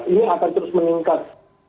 ini akan terus meningkat